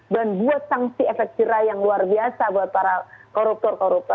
dan buat sanksi efek cirai yang luar biasa buat para koruptor koruptor